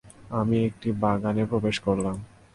আমি একটি বাগানে প্রবেশ করলাম।